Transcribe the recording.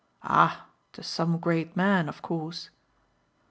"Ah to some great man of course!"